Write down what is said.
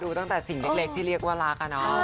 ตั้งแต่สิ่งเล็กที่เรียกว่ารักอะเนาะ